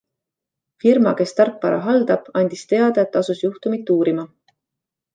Firma, kes tarkvara haldab, andis teada, et asus juhtumit uurima.